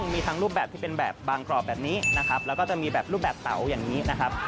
มีทั้งรูปแบบที่เป็นแบบบางกรอบแบบนี้นะครับแล้วก็จะมีแบบรูปแบบเตาอย่างนี้นะครับ